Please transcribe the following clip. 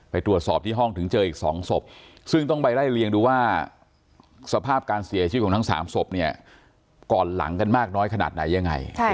ไปตรวจสอบที่ห้องถึงเจออีก๒ศพซึ่งต้องไปไล่เลียงดูว่าสภาพการเสียชีวิตของทั้ง๓ศพเนี่ยก่อนหลังกันมากน้อยขนาดไหนยังไง